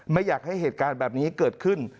ไม่อยากให้เหตุการณ์แบบนี้เกิดขึ้น